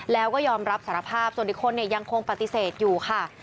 แล้วก็ยอมรับสารภาพส่วนอีกคนยังคงปฏิเสธอยู่ค่ะ